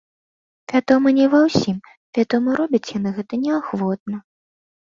Вядома, не ва ўсім, вядома, робяць яны гэта неахвотна.